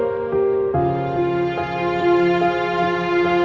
udah lah aku dimanjur